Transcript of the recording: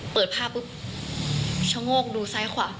เปิดภาพปุ๊บชะโงกดูซ้ายขวา